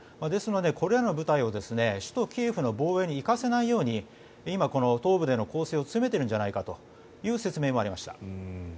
ですので、これらの部隊を首都キエフの防衛に行かせないように今、東部での攻勢を強めているんじゃないかという説明もありました。